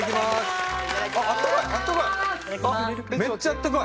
あったかい！